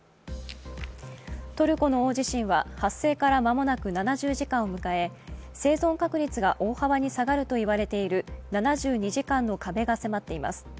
トルコの大地震は発生から間もなく７０時間を迎え生存確率が大幅に下がると言われている７２時間の壁が迫っています。